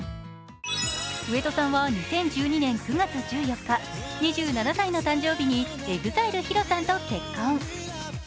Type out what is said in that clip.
上戸さんは２０１２年９月１４日、２７歳の誕生日にＥＸＩＬＥＨＩＲＯさんと結婚。